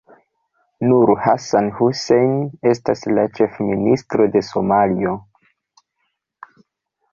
Nur Hassan Hussein estas la Ĉefministro de Somalio.